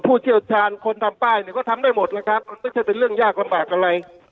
ผู้เชี่ยวชาญคนทำป้ายก็ทำได้หมดแล้วครับมันก็จะเป็นเรื่องยากลำบากอะไร